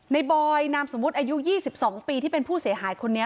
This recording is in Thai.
บอยนามสมมุติอายุ๒๒ปีที่เป็นผู้เสียหายคนนี้